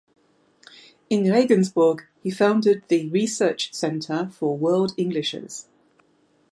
In Regensburg he founded the Research Center for World Englishes.